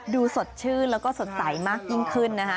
สดชื่นแล้วก็สดใสมากยิ่งขึ้นนะคะ